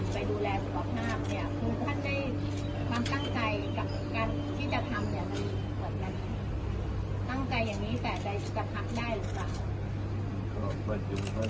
ที่มีความตั้งใจแบบนั้นเนี่ยผมไม่รู้เลยไม่ขอว่าท่านแต่ถ้าเกรยเกรย